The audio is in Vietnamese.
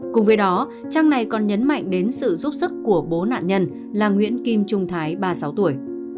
cùng với đó trang này còn nhấn mạnh đến sự giúp sức của bố nạn nhân là nguyễn kim trung thái ba mươi sáu tuổi